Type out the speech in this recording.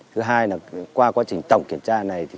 thứ hai là qua quá trình tổng kiểm tra này